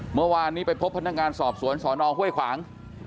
เมื่อวานนี้ไปพบพนักงานสอบสวนสอนอห้วยขวาง